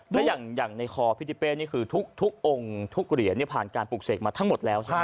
และอย่างในคอพี่ทิเป้นี่คือทุกองค์ทุกเหรียญผ่านการปลูกเสกมาทั้งหมดแล้วใช่ไหม